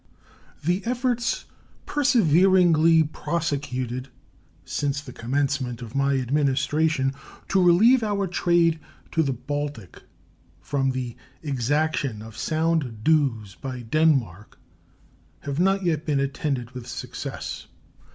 The efforts perseveringly prosecuted since the commencement of my Administration to relieve our trade to the Baltic from the exaction of Sound dues by Denmark have not yet been attended with success.